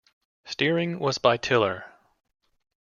Steering was by tiller.